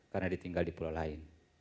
karena ditinggal di pulau lain